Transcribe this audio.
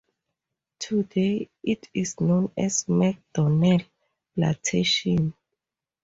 Today it is known as MacDonell plantation.